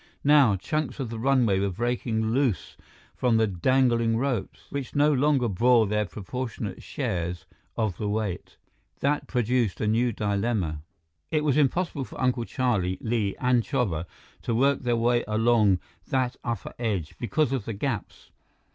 Now, chunks of the runway were breaking loose from the dangling ropes, which no longer bore their proportionate shares of the weight. That produced a new dilemma. It was impossible for Uncle Charlie, Li, and Chuba to work their way along that upper edge, because of the gaps.